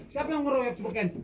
siapa yang keroyok si beken